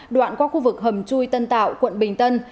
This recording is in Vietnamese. đoạn qua khu vực hầm chui tân tạo quận bình tân